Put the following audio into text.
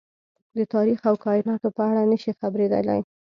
د تاريخ او کايناتو په اړه نه شي خبرېدلی.